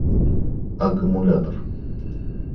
Аккумулятор